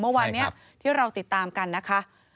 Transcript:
เมื่อวานนี้ที่เราติดตามกันนะคะ